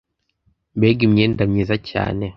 mbega imyenda myiza cyane!